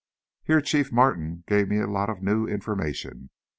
Here Chief Martin gave me a lot of new information.